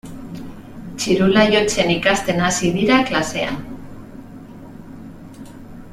Txirula jotzen ikasten hasi dira klasean.